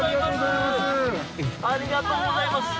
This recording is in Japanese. ありがとうございます。